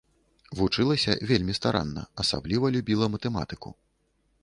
Вучылася вельмі старанна, асабліва любіла матэматыку.